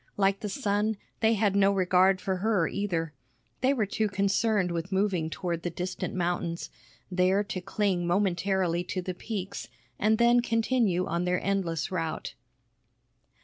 Like the sun, they had no regard for her, either. They were too concerned with moving toward the distant mountains, there to cling momentarily to the peaks and then continue on their endless route.